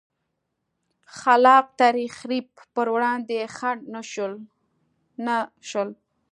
خلا ق تخریب پر وړاندې خنډ نه شول.